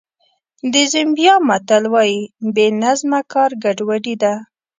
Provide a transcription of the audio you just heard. د زیمبیا متل وایي بې نظمه کار ګډوډي ده.